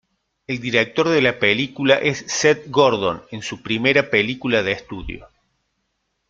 El director de la película es Seth Gordon en su primera película de estudio.